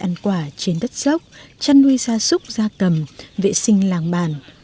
để ăn quả trên đất dốc chăn nuôi gia súc gia cầm vệ sinh làng bàn